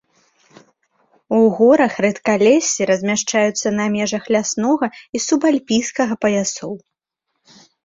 У горах рэдкалессі размяшчаюцца на межах ляснога і субальпійскага паясоў.